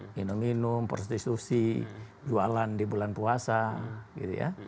minum minum prostitusi jualan di bulan puasa gitu ya